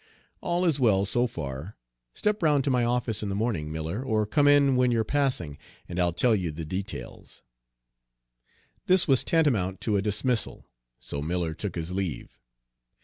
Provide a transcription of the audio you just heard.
"All is well, so far. Step round to my office in the morning, Miller, or come in when you're passing, and I'll tell you the details." This was tantamount to a dismissal, so Miller took his leave.